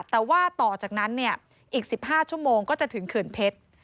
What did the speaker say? แต่ว่าต่อจากนั้นเนี่ยอีก๑๕ชั่วโมงก็จะถึงเขื่อนเพชร